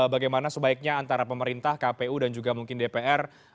bagaimana sebaiknya antara pemerintah kpu dan juga mungkin dpr